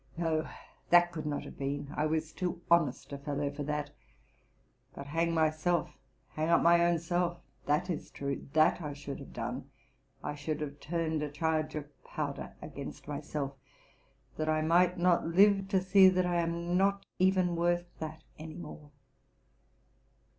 No: that could not have RELATING TO MY LIFE. 315 heen, — I was too honest a fellow for that ; but hang myself — hang up my own self—that is true — that I should have done: I should have turned a charge of powder against my self, that I might not live to see that I am not even worth that any more.